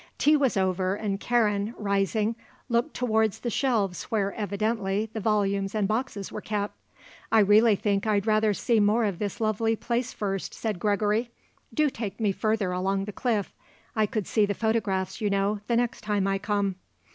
Tea was over and Karen, rising, looked towards the shelves where, evidently, the volumes and boxes were kept. "I really think I'd rather see some more of this lovely place, first," said Gregory. "Do take me further along the cliff. I could see the photographs, you know, the next time I come."